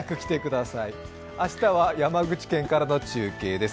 明日は山口県からの中継です。